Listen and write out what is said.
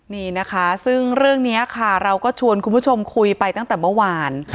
นี่นะคะซึ่งเรื่องนี้ค่ะเราก็ชวนคุณผู้ชมคุยไปตั้งแต่เมื่อวาน